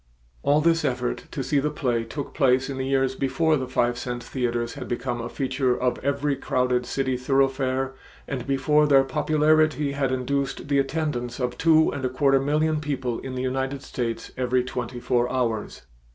All this effort to see the play took place in the years before the five cent theaters had become a feature of every crowded city thoroughfare and before their popularity had induced the attendance of two and a quarter million people in the United States every twenty four hours.